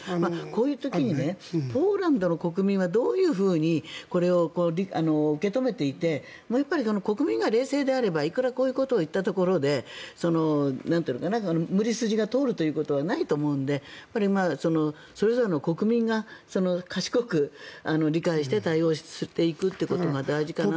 こういう時にポーランドの国民はどういうふうにこれを受け止めていて国民が冷静であればいくらこういうことを言ったところで無理筋が通るということはないと思うのでそれぞれの国民が賢く理解して対応していくことが大事かな。